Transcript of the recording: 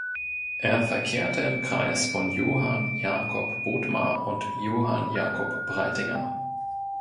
Er verkehrte im Kreis von Johann Jakob Bodmer und Johann Jakob Breitinger.